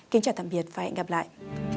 kính chào tạm biệt và hẹn gặp lại